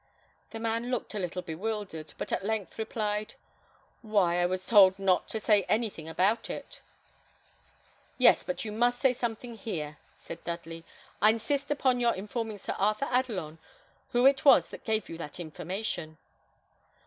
The man looked a little bewildered, but at length replied, "Why, I was told not to say anything about it." "Yes; but you must say something here," said Dudley. "I insist upon your informing Sir Arthur Adelon, who it was that gave you that information."